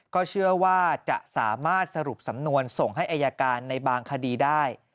ก็เชื่อว่าจะสามารถสรุปสำนวนส่งให้อายการในบางคดีได้